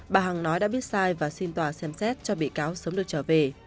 bà hằng nói đã biết sai và xin tòa xem xét cho bị cáo sớm được trở về